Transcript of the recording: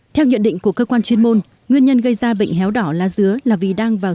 theo nhận định của cơ quan chuyên môn nguyên nhân gây ra bệnh héo đỏ lá dứa là vì đang vào